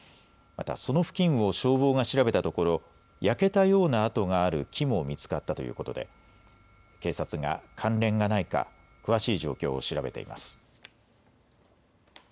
また、その付近を消防が調べたところ焼けたような跡がある木も見つかったということで警察が関連がないか詳しい状況を調べています。